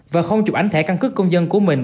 và không chụp ảnh thẻ căn cước công dân của mình